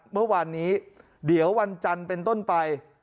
เมื่อวานนี้เดี๋ยววันจันทร์เป็นต้นไป